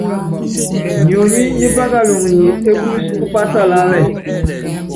Nyonyí nyí pákaluŋo nyi ékúúsí kú pásalálɛ́.